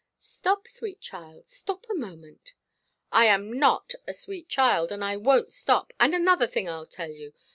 "Stop, sweet child, stop a moment——" "I am not a sweet child, and I wonʼt stop. And another thing Iʼll tell you.